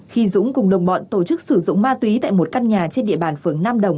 khi dũng cùng đồng bọn tổ chức sử dụng ma túy tại một căn nhà trên địa bàn phường nam đồng